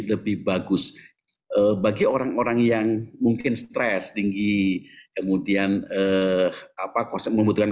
lebih bagus bagi orang orang yang mungkin stres tinggi kemudian apa konsep membutuhkan